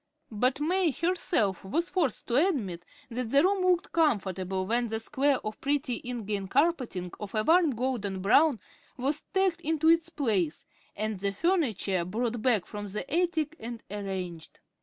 But May herself was forced to admit that the room looked "comfortable" when the square of pretty ingrain carpeting of a warm golden brown was tacked into its place, and the furniture brought back from the attic and arranged.